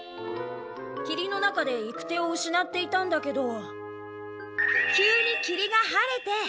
きりの中で行く手をうしなっていたんだけど急にきりが晴れて。